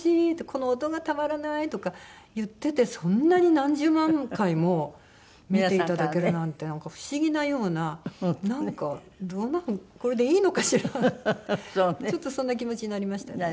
「この音がたまらない！」とか言っててそんなに何十万回も見ていただけるなんて不思議なようななんかこれでいいのかしらってちょっとそんな気持ちになりましたよね。